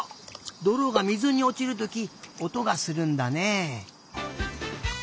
どろが水におちるときおとがするんだね。